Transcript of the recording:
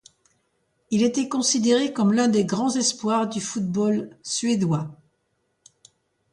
Il était considéré comme l'un des grands espoirs du football suédois.